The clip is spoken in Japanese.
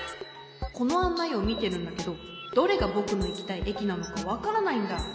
このあんないをみてるんだけどどれがぼくのいきたいえきなのかわからないんだ。